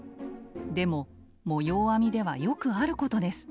でも模様編みではよくあることです。